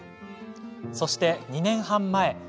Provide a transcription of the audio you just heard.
そして、２年半前。